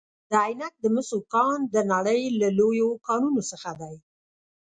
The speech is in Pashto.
د عینک د مسو کان د نړۍ له لویو کانونو څخه دی.